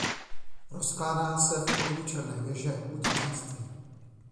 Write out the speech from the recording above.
Rozkládá se v okolí Černé věže u děkanství.